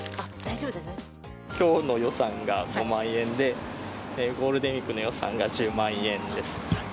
今日の予算が５万円でゴールデンウィークの予算が１０万円です。